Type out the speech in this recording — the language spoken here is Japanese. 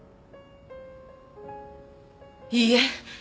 いいえ！